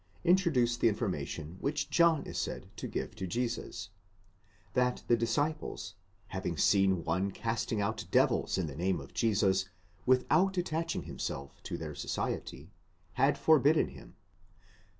49 f.) introduce the information ' which John is said to give to Jesus, that the disciples having seen one casting: out devils in the name of Jesus, without attaching himself to their society, had forbidden him.